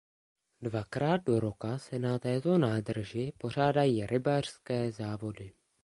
Dvakrát do roka se na této nádrži pořádají rybářské závody.